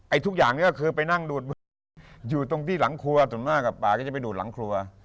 ทุกอย่างนี้ก็คือไปนั่งดูดมืออยู่ตรงที่หลังครัวส่วนมากกับป่าก็จะไปดูดหลังครัว